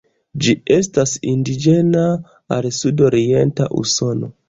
Ĝi estas indiĝena al Sud-orienta Usono.